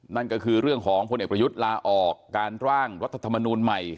นั่นก็คือเรื่องของพลเอกประยุทธ์ลาออกการร่างรัฐธรรมนูลใหม่